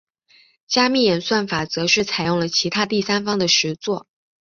加密演算法则是采用了其他第三方的实作。